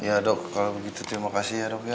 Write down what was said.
aduh pelan pelan dong